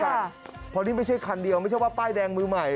เพราะนี่ไม่ใช่คันเดียวไม่ใช่ว่าป้ายแดงมือใหม่